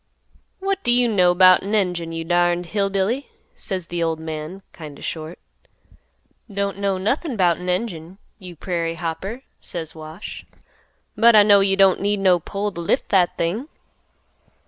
"'What do you know 'bout an engine, you darned hill billy,' says th' old man, kind o' short. "'Don't know nothin' 'bout an engine, you prairie hopper,' says Wash, 'but I know you don't need no pole t' lift that thing.